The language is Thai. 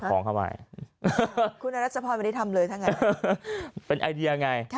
ก็เบกหน่อยก็ได้